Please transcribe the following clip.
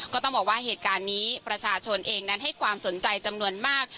ก็ต้องบอกว่าเหตุการณ์นี้ประชาชนเองนั้นให้ความสนใจจำนวนมาก